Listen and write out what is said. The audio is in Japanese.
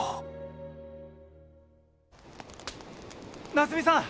・夏海さん。